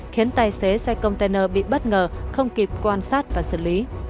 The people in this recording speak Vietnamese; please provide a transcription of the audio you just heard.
khiến tài xế xe container bị bất ngờ không kịp quan sát và xử lý